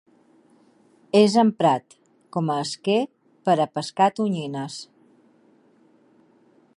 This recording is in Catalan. És emprat com a esquer per a pescar tonyines.